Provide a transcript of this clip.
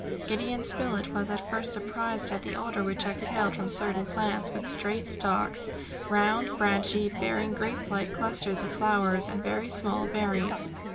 Gideon Spilett was at first surprised at the odour which exhaled from certain plants with straight stalks, round and branchy, bearing grape like clusters of flowers and very small berries.